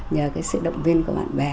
nhờ cái sự động viên của bạn bè